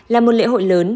là một lễ hội lớn